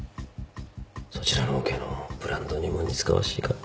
そちらのオケのブランドにも似つかわしいかと。